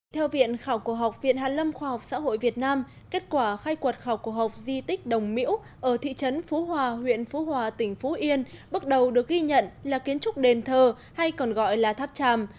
theo viện khảo cổ học viện hạ lâm khoa học xã hội việt nam kết quả khai quật khảo cổ học di tích đồng miễu ở thị trấn phú hòa huyện phú hòa tỉnh phú yên bước đầu được ghi nhận là kiến trúc đền thờ hay còn gọi là tháp tràm